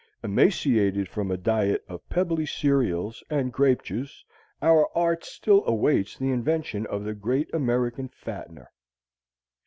Emaciated from a diet of pebbly cereals and grape juice, our art still awaits the invention of the great American fattener.